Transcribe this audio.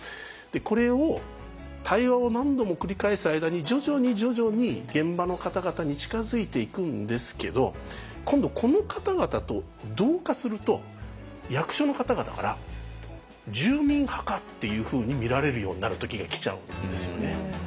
これを対話を何度も繰り返す間に徐々に徐々に現場の方々に近づいていくんですけど今度この方々と同化すると役所の方々から「住民派か」っていうふうに見られるようになる時が来ちゃうんですよね。